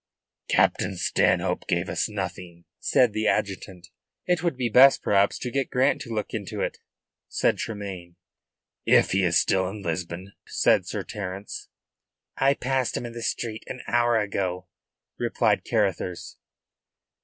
"Captain Stanhope gave us nothing," said the adjutant. "It would be best perhaps to get Grant to look into it," said Tremayne. "If he is still in Lisbon," said Sir Terence. "I passed him in the street an hour ago," replied Carruthers.